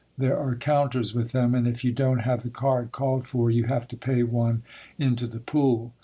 There are counters with them, and if you don't have the card called for you have to pay one into the pool.